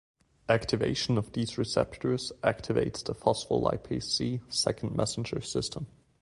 Activation of these receptors activates the phospholipase C second messenger system.